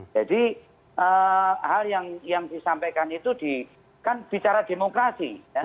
jadi hal yang disampaikan itu di kan bicara demokrasi ya